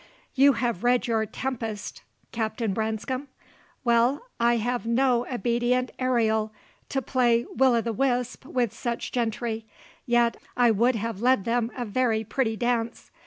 You have read your Tempest, Captain Branscome? Well, I have no obedient Ariel to play will o' the wisp with such gentry; yet I would have led them a very pretty dance.